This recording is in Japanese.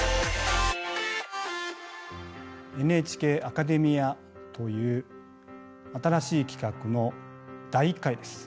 「ＮＨＫアカデミア」という新しい企画の第１回です。